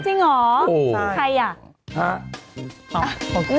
จริงเหรอใครล่ะโอ้โฮใช่